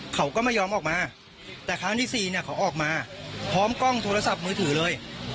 เขาก็ไม่ยอมออกมาแต่ครั้งที่สี่เนี่ยเขาออกมาพร้อมกล้องโทรศัพท์มือถือเลย